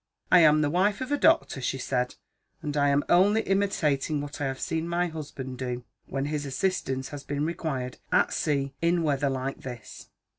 'I am the wife of a doctor,' she said; 'and I am only imitating what I have seen my husband do, when his assistance has been required, at sea, in weather like this.'